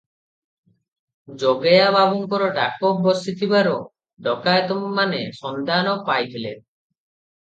ଯୋଗେୟା ବାବୁଙ୍କର ଡାକ ବସିଥିବାର ଡକାୟତମାନେ ସନ୍ଧାନ ପାଇଥିଲେ ।